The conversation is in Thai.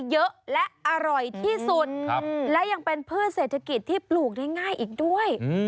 เยอะและอร่อยที่สุดและยังเป็นพืชเศรษฐกิจที่ปลูกได้ง่ายอีกด้วย